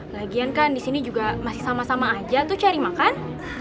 lagian kan di sini juga masih sama sama aja tuh cari makan